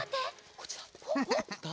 こっちだ！